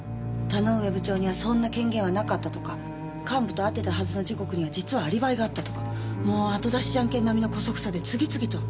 田ノ上部長にはそんな権限はなかったとか幹部と会ってたはずの時刻には実はアリバイがあったとかもう後だしジャンケン並みの姑息さで次々と。